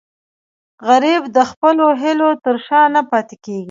غریب د خپلو هیلو تر شا نه پاتې کېږي